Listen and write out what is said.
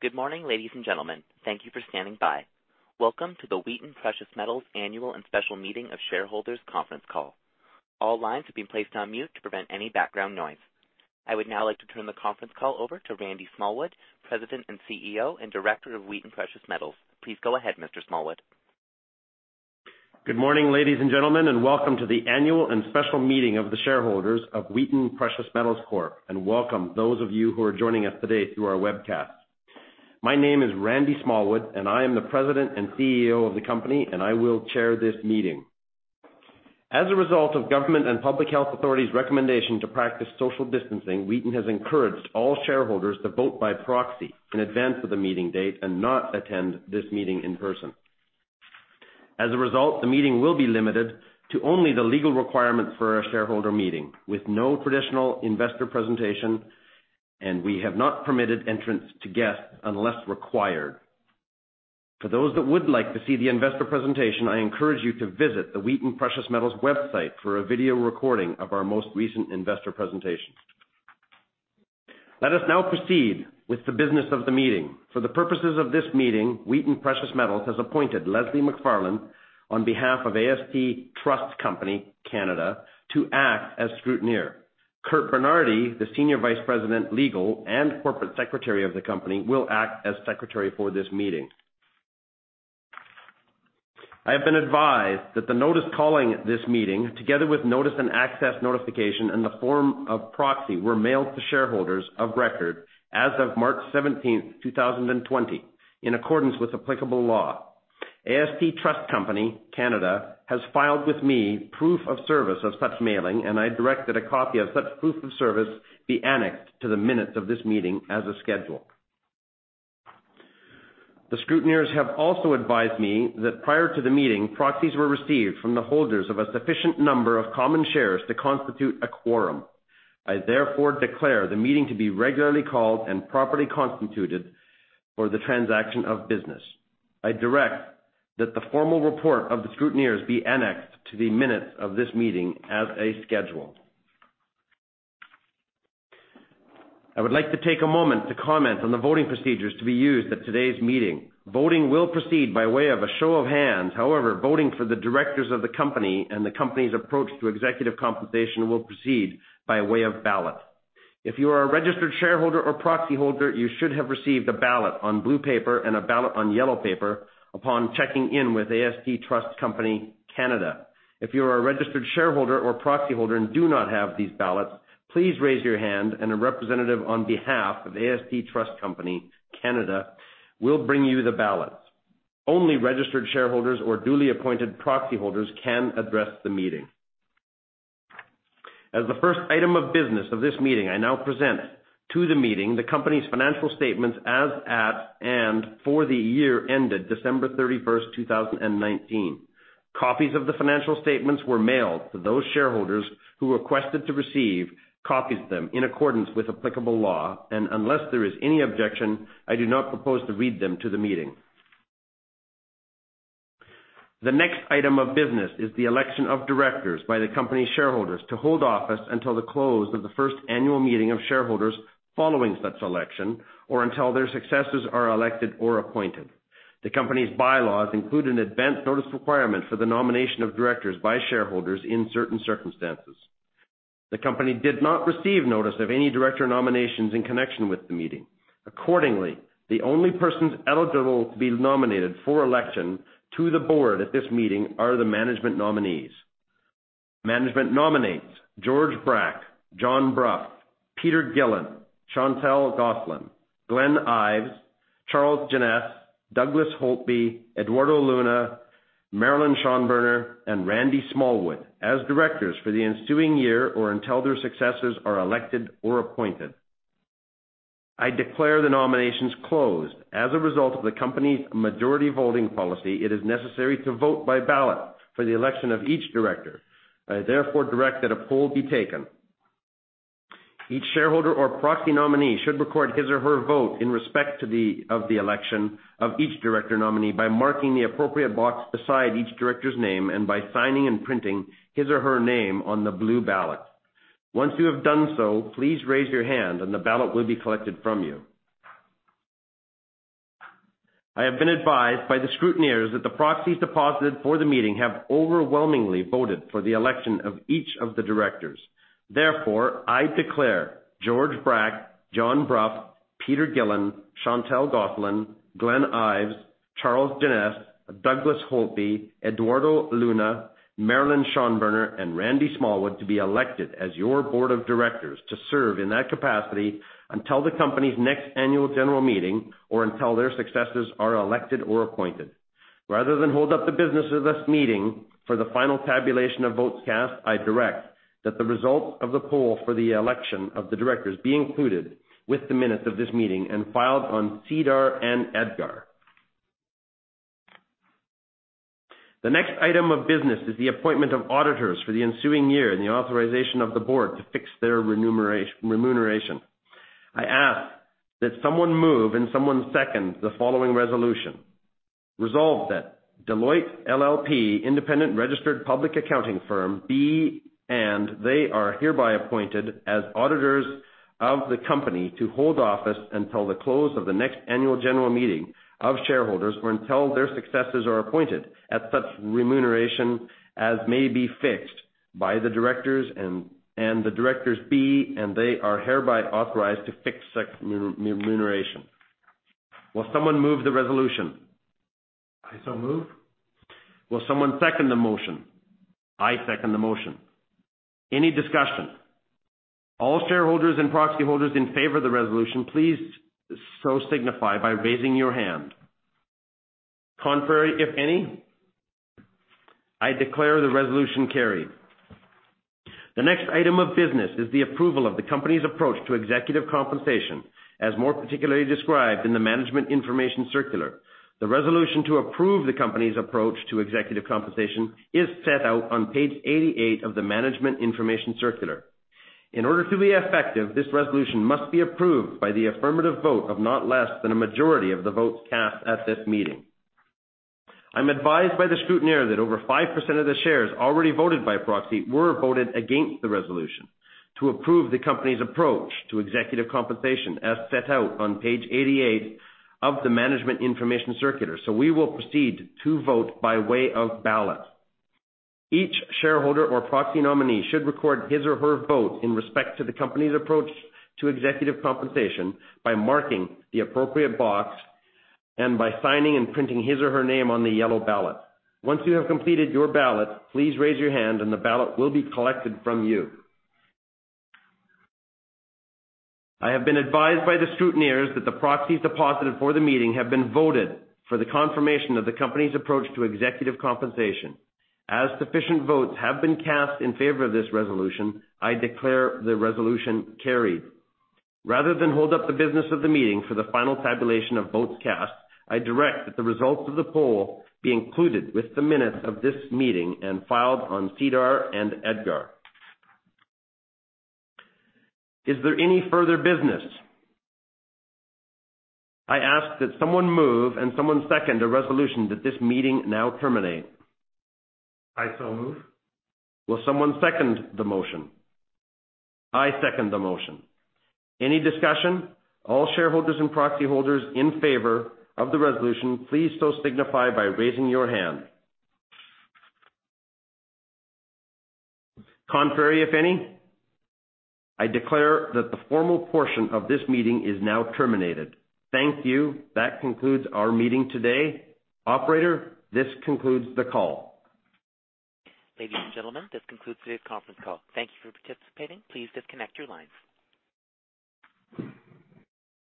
Good morning, ladies and gentlemen. Thank you for standing by. Welcome to the Wheaton Precious Metals Annual and Special Meeting of Shareholders Conference Call. All lines have been placed on mute to prevent any background noise. I would now like to turn the conference call over to Randy Smallwood, President and CEO, and Director of Wheaton Precious Metals. Please go ahead, Mr. Smallwood. Good morning, ladies and gentlemen, and welcome to the annual and special meeting of the shareholders of Wheaton Precious Metals Corp, and welcome those of you who are joining us today through our webcast. My name is Randy Smallwood, and I am the President and CEO of the company, and I will chair this meeting. As a result of government and public health authorities' recommendation to practice social distancing, Wheaton has encouraged all shareholders to vote by proxy in advance of the meeting date and not attend this meeting in person. As a result, the meeting will be limited to only the legal requirements for a shareholder meeting with no traditional investor presentation, and we have not permitted entrance to guests unless required. For those that would like to see the investor presentation, I encourage you to visit the Wheaton Precious Metals website for a video recording of our most recent investor presentation. Let us now proceed with the business of the meeting. For the purposes of this meeting, Wheaton Precious Metals has appointed Leslie McFarlane on behalf of AST Trust Company (Canada) to act as scrutineer. Curt Bernardi, the Senior Vice President, Legal, and Corporate Secretary of the company, will act as secretary for this meeting. I have been advised that the notice calling this meeting, together with notice and access notification in the form of proxy, were mailed to shareholders of record as of March 17th, 2020, in accordance with applicable law. AST Trust Company (Canada) has filed with me proof of service of such mailing, and I direct that a copy of such proof of service be annexed to the minutes of this meeting as a schedule. The scrutineers have also advised me that prior to the meeting, proxies were received from the holders of a sufficient number of common shares to constitute a quorum. I declare the meeting to be regularly called and properly constituted for the transaction of business. I direct that the formal report of the scrutineers be annexed to the minutes of this meeting as a schedule. I would like to take a moment to comment on the voting procedures to be used at today's meeting. Voting will proceed by way of a show of hands. However, voting for the directors of the company and the company's approach to executive compensation will proceed by way of ballot. If you are a registered shareholder or proxy holder, you should have received a ballot on blue paper and a ballot on yellow paper upon checking in with AST Trust Company (Canada). If you are a registered shareholder or proxy holder and do not have these ballots, please raise your hand and a representative on behalf of AST Trust Company (Canada) will bring you the ballots. Only registered shareholders or duly appointed proxy holders can address the meeting. As the first item of business of this meeting, I now present to the meeting the company's financial statements as at, and for the year ended December 31st, 2019. Copies of the financial statements were mailed to those shareholders who requested to receive copies of them in accordance with applicable law. Unless there is any objection, I do not propose to read them to the meeting. The next item of business is the election of directors by the company's shareholders to hold office until the close of the first annual meeting of shareholders following such election, or until their successors are elected or appointed. The company's bylaws include an advance notice requirement for the nomination of directors by shareholders in certain circumstances. The company did not receive notice of any director nominations in connection with the meeting. Accordingly, the only persons eligible to be nominated for election to the board at this meeting are the management nominees. Management nominates George Brack, John Brough, Peter Gillin, Chantal Gosselin, Glenn Ives, Charles Jeannes, Douglas Holtby, Eduardo Luna, Marilyn Schonberner, and Randy Smallwood as directors for the ensuing year or until their successors are elected or appointed. I declare the nominations closed. As a result of the company's majority voting policy, it is necessary to vote by ballot for the election of each director. I therefore direct that a poll be taken. Each shareholder or proxy nominee should record his or her vote in respect of the election of each director nominee by marking the appropriate box beside each director's name and by signing and printing his or her name on the blue ballot. Once you have done so, please raise your hand, and the ballot will be collected from you. I have been advised by the scrutineers that the proxies deposited for the meeting have overwhelmingly voted for the election of each of the directors. Therefore, I declare George Brack, John Brough, Peter Gillin, Chantal Gosselin, Glenn Ives, Charles Jeannes, Douglas Holtby, Eduardo Luna, Marilyn Schonberner, and Randy Smallwood to be elected as your Board of Directors to serve in that capacity until the company's next Annual General Meeting or until their successors are elected or appointed. Rather than hold up the business of this meeting for the final tabulation of votes cast, I direct that the result of the poll for the election of the directors be included with the minutes of this meeting and filed on SEDAR and EDGAR. The next item of business is the appointment of auditors for the ensuing year and the authorization of the board to fix their remuneration. I ask that someone move and someone second the following resolution resolved that Deloitte LLP independent registered public accounting firm be, and they are hereby appointed as auditors of the company to hold office until the close of the next annual general meeting of shareholders, or until their successors are appointed at such remuneration as may be fixed by the directors, and the directors be, and they are hereby authorized to fix such remuneration. Will someone move the resolution? I so move. Will someone second the motion? I second the motion. Any discussion? All shareholders and proxy holders in favor of the resolution, please so signify by raising your hand. Contrary, if any? I declare the resolution carried. The next item of business is the approval of the company's approach to executive compensation, as more particularly described in the management information circular. The resolution to approve the company's approach to executive compensation is set out on page 88 of the management information circular. In order to be effective, this resolution must be approved by the affirmative vote of not less than a majority of the votes cast at this meeting. I'm advised by the scrutineer that over 5% of the shares already voted by proxy were voted against the resolution to approve the company's approach to executive compensation, as set out on page 88 of the management information circular. We will proceed to vote by way of ballot. Each shareholder or proxy nominee should record his or her vote in respect to the company's approach to executive compensation by marking the appropriate box and by signing and printing his or her name on the yellow ballot. Once you have completed your ballot, please raise your hand and the ballot will be collected from you. I have been advised by the scrutineers that the proxies deposited for the meeting have been voted for the confirmation of the company's approach to executive compensation. As sufficient votes have been cast in favor of this resolution, I declare the resolution carried. Rather than hold up the business of the meeting for the final tabulation of votes cast, I direct that the results of the poll be included with the minutes of this meeting and filed on SEDAR and EDGAR. Is there any further business? I ask that someone move and someone second a resolution that this meeting now terminate. I so move. Will someone second the motion? I second the motion. Any discussion? All shareholders and proxy holders in favor of the resolution, please so signify by raising your hand. Contrary, if any? I declare that the formal portion of this meeting is now terminated. Thank you. That concludes our meeting today. Operator, this concludes the call. Ladies and gentlemen, this concludes today's conference call. Thank you for participating. Please disconnect your lines.